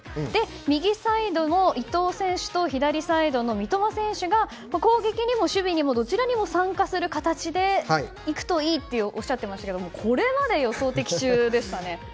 右サイドの伊東選手と左サイドの三笘選手が攻撃にも守備にもどちらにも参加する形でいくといいとおっしゃってましたけどこれまで予想的中でしたね。